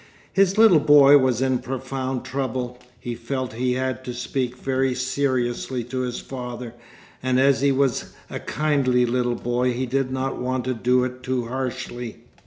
His little boy was in profound trouble. He felt he had to speak very seriously to his father, and as he was a kindly little boy he did not want to do it too harshly.